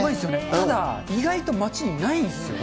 ただ、意外と街にないんですよ。